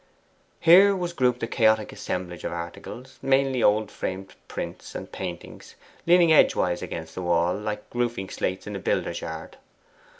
Here was grouped a chaotic assemblage of articles mainly old framed prints and paintings leaning edgewise against the wall, like roofing slates in a builder's yard.